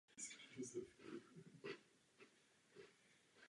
Abychom dosáhli rozvojových cílů tisíciletí, potřebujeme zásadní změnu kurzu.